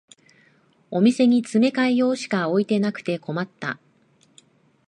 お店に詰め替え用しか置いてなくて困った